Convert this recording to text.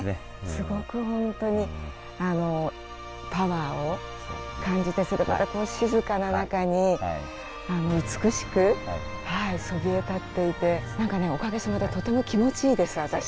すごく本当にあのパワーを感じさせるまたこう静かな中に美しくそびえ立っていて何かねおかげさまでとても気持ちいいです私。